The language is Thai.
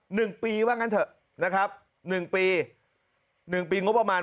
หนึ่งปีว่างั้นเถอะนะครับหนึ่งปีหนึ่งปีงบประมาณ